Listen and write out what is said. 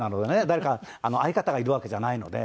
誰か相方がいるわけじゃないので。